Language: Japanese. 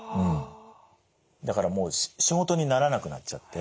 だからもう仕事にならなくなっちゃって。